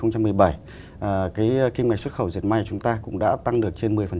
cái kinh ngạch xuất khẩu dệt may của chúng ta cũng đã tăng được trên một mươi